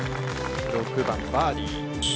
６番バーディー。